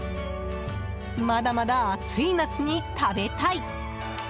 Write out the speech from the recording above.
まだまだ暑い夏に食べたい！